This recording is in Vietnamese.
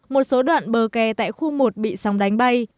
một số đoạn bờ kè tại khu một bị sóng đánh bay